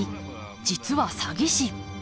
実は詐欺師。